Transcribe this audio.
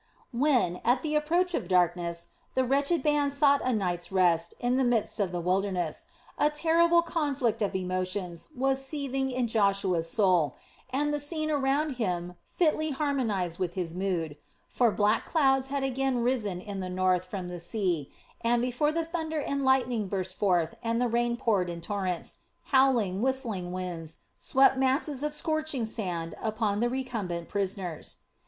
When, at the approach of darkness, the wretched band sought a night's rest in the midst of the wilderness, a terrible conflict of emotions was seething in Joshua's soul, and the scene around him fitly harmonized with his mood; for black clouds had again risen in the north from the sea and, before the thunder and lightning burst forth and the rain poured in torrents, howling, whistling winds swept masses of scorching sand upon the recumbent prisoners.